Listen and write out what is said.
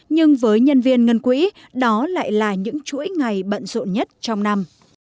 nhưng với nhân viên ngân quỹ đó lại là những chuỗi ngày bận rộn nhất trong năm